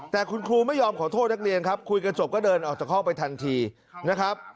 แต่คุณครูไม่ยอมขอโทษนักเรียนครับคุยกันจบก็เดินออกจากห้องไปทันทีนะครับ